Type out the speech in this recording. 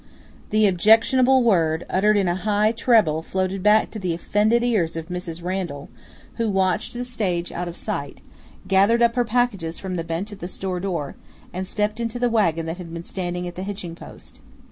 The objectionable word, uttered in a high treble, floated back to the offended ears of Mrs. Randall, who watched the stage out of sight, gathered up her packages from the bench at the store door, and stepped into the wagon that had been standing at the hitching post.